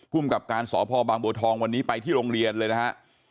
พุ่มกรรมการสพบางโบทองวันนี้ไปที่โรงเรียนเลยนะฮะ